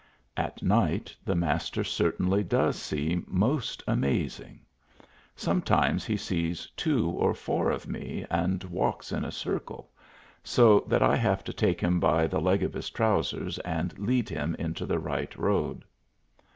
At night the Master certainly does see most amazing. Sometimes he sees two or four of me, and walks in a circle, so that I have to take him by the leg of his trousers and lead him into the right road.